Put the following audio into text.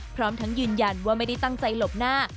พร้อมทั้งยืนยันว่าไม่ได้ตั้งใจหลบหน้า